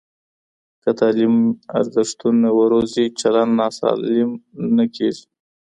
که تعلیم ارزښتونه وروزي، چلند ناسالم نه کېږي.